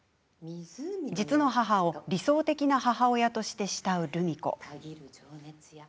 実の母を理想的な母親として慕うルミ子。